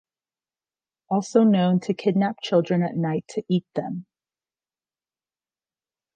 Also known to kidnap children at night to eat them.